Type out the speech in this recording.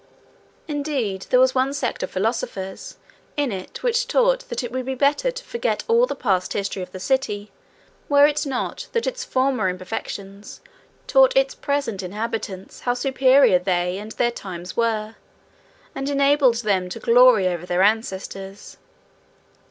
Indeed, there was one sect of philosophers in it which taught that it would be better to forget all the past history of the city, were it not that its former imperfections taught its present inhabitants how superior they and their times were, and enabled them to glory over their ancestors.